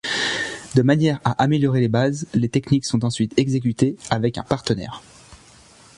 De manière à améliorer les bases, les techniques sont ensuite exécutées avec un partenaire.